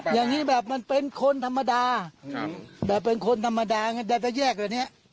อย่างนี้แบบมันเป็นคนธรรมดาแต่เป็นคนธรรมดาไงแต่ถ้าแยกแบบนี้